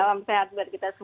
salam sehat buat kita semua